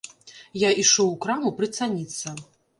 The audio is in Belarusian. Я ішоў у краму прыцаніцца.